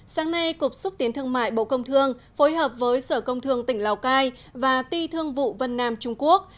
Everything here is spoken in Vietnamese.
sáng nay cục xúc tiến thương mại bộ công thương phối hợp với sở công thương tỉnh lào cai và ti thương vụ vân nam trung quốc